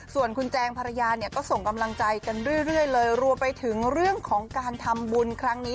ส่วนคุณแจงภรรยาเนี่ยก็ส่งกำลังใจกันเรื่อยเลยรวมไปถึงเรื่องของการทำบุญครั้งนี้